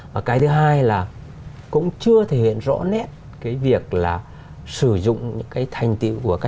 và cái thứ hai là cũng chưa thể hiện rõ nét cái việc là sử dụng những cái thành tiệu của các